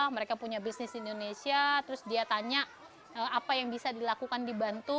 mereka punya bisnis di indonesia terus dia tanya apa yang bisa dilakukan dibantu